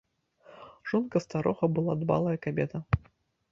Жонка старога была дбалая кабета.